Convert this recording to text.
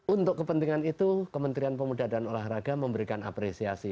untuk kepentingan itu kementerian pemuda dan olahraga memberikan apresiasi